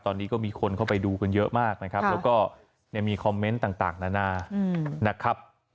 ตอนนี้ก็มีคนเข้าไปดูกันเยอะมากนะครับแล้วก็มีคอมเมนต์ต่างนานานะครับ